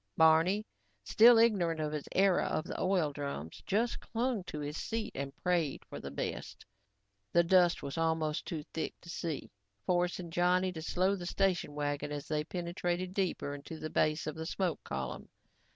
Barney, still ignorant of his error of the oil drums, just clung to his seat and prayed for the best. The dust was almost too thick to see, forcing Johnny to slow the station wagon as they penetrated deeper into the base of the smoke column.